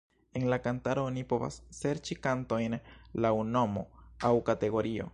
En la kantaro oni povas serĉi kantojn laŭ nomo aŭ kategorio.